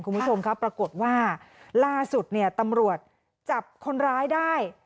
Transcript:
คุณผู้ชมครับปรากฏว่าล่าสุดเนี่ยตำรวจจับคนร้ายได้